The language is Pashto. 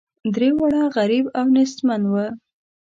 درې واړه غریب او نیستمن وه.